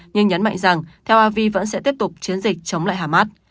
nhưng nhấn mạnh rằng tel avi vẫn sẽ tiếp tục chiến dịch chống lại hamas